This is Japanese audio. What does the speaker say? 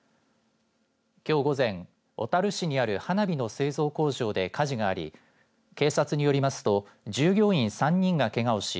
きょう午前小樽市にある花火の製造工場で火事があり警察によりますと従業員３人がけがをし